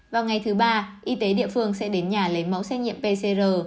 vào ngày thứ ba y tế địa phương sẽ đến nhà lấy mẫu xét nhiệm pcr